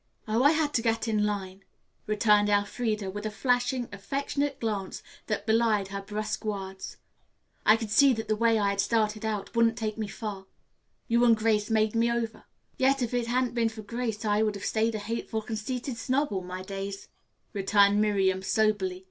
"Oh, I had to get in line," returned Elfreda with a flashing affectionate glance that belied her brusque words. "I could see that the way I had started out wouldn't take me far. You and Grace made me over." "Yet, if it hadn't been for Grace I would have stayed a hateful, conceited snob all my days," returned Miriam soberly.